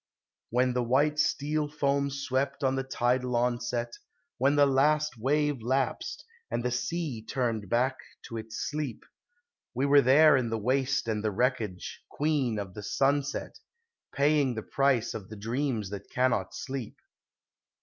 When the white steel foam swept on the tidal onset, When the last wave lapsed, and the sea turned back to its sleep, We were there in the waste and the wreckage, Queen of the Sunset! Paying the price of the dreams that cannot sleep.